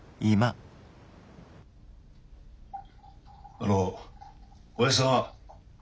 あのおやじさんは？